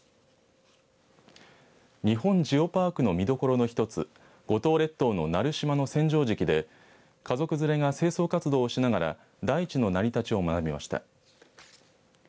日本ジオパークの見どころの一つ五島列島の奈留島の千畳敷で家族連れが清掃活動をしながら大地の成り立ちを学びました。